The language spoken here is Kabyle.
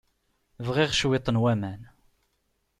Bɣiɣ cwiṭ n waman.